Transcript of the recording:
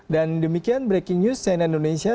dan demikian breaking news cnn indonesia